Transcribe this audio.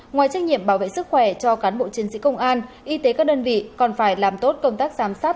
ngoài trách nhiệm bảo vệ sức khỏe cho cán bộ chiến sĩ công an y tế các đơn vị còn phải làm tốt công tác giám sát